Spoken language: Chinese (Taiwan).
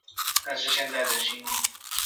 但是現在的新聞